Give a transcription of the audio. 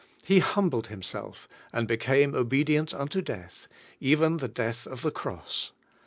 "He humbled Himself, and became obedient unto death, even the death of the cross."